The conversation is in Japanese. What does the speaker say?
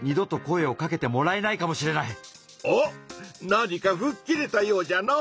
なにかふっきれたようじゃの。